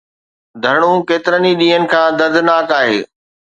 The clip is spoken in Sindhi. ڌرڻو ڪيترن ئي ڏينهن کان دردناڪ آهي.